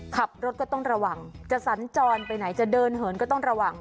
ขับรถก็ต้องระวังจะสัญจรไปไหนจะเดินเหินก็ต้องระวัง